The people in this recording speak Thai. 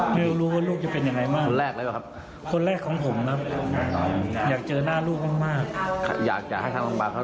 อยากให้ทางลงบ้านเขารับชอบไงมากครับช่วยตามลูกไหม